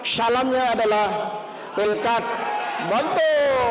salamnya adalah wilkat montu